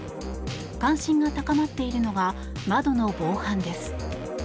関心が高まっているのが窓の防犯です。